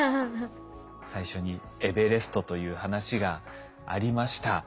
最初にエベレストという話がありました。